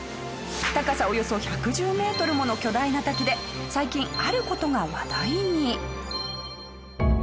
高さおよそ１１０メートルもの巨大な滝で最近ある事が話題に。